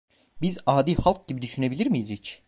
Biz adi halk gibi düşünebilir miyiz hiç?